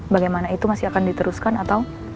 bagaimana itu masih akan diteruskan atau